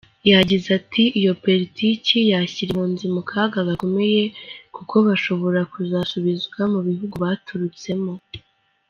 Yagize “Iyo Politiki yashyira impunzi mu kaga gakomeye kuko bashobora kuzasubizwa mu bihugu baturutsemo.”